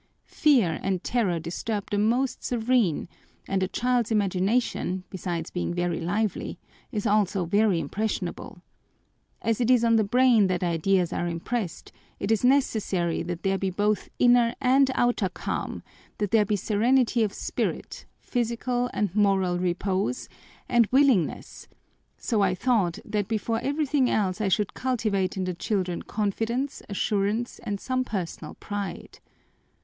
Fear and terror disturb the most serene, and a child's imagination, besides being very lively, is also very impressionable. As it is on the brain that ideas are impressed, it is necessary that there be both inner and outer calm, that there be serenity of spirit, physical and moral repose, and willingness, so I thought that before everything else I should cultivate in the children confidence, assurance, and some personal pride.